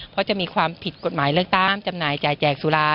เพราะจะมีความผิดกฎหมายเลือกตั้งจำหน่ายจ่ายแจกสุรา